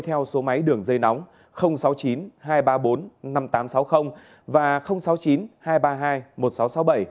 theo số máy đường dây nóng sáu mươi chín hai trăm ba mươi bốn năm nghìn tám trăm sáu mươi và sáu mươi chín hai trăm ba mươi hai một nghìn sáu trăm sáu mươi bảy